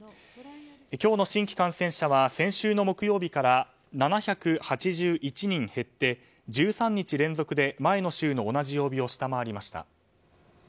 今日の新規感染者は先週の木曜日から７８１人減って１３日連続で前の週の同じ曜日を下回りました。